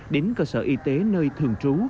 đến cơ sở y tế nơi thường trú